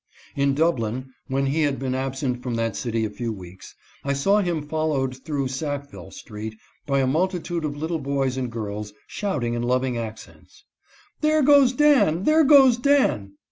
In Dublin, when he had been absent from that city a few weeks, I saw him followed through Sackville street by a multitude of little boys and girls, shouting in loving accents, " There goes Dan ! there goes Dan